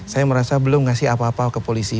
saya merasa belum ngasih apa apa ke polisi